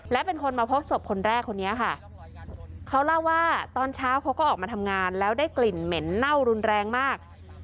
และเป็นคนมาพบศพคนแรกคนนี้ค่ะเขาเล่าว่าตอนเช้าเขาก็ออกมาทำงานแล้วได้กลิ่นเหม็นเน่ารุนแรงมาก